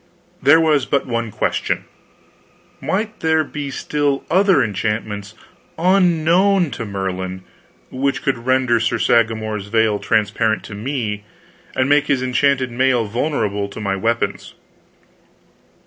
There was but one question: might there be still other enchantments, unknown to Merlin, which could render Sir Sagramor's veil transparent to me, and make his enchanted mail vulnerable to my weapons?